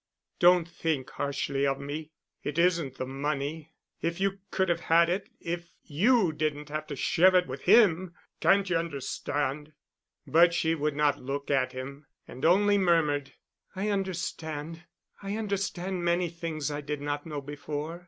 "Don't think harshly of me. It isn't the money. If you could have had it—if you didn't have to share it with him—can't you understand?" But she would not look at him, and only murmured, "I understand—I understand many things I did not know before.